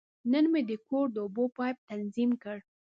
نن مې د کور د اوبو پایپ تنظیم کړ.